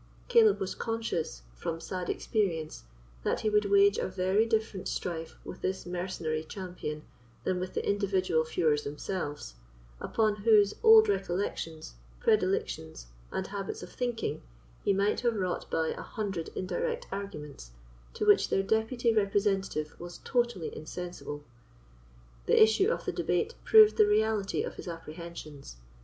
Caleb was conscious, from sad experience, that he would wage a very different strife with this mercenary champion than with the individual feuars themselves, upon whose old recollections, predilections, and habits of thinking he might have wrought by an hundred indirect arguments, to which their deputy representative was totally insensible. The issue of the debate proved the reality of his apprehensions.